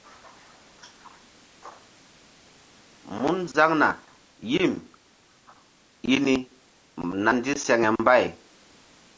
Mun zaŋna yim i ni sa ndiseŋe mbay.